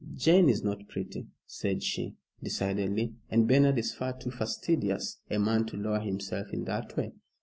"Jane is not pretty," said she, decidedly, "and Bernard is far too fastidious a man to lower himself in that way."